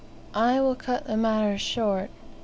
I will cut the matter short.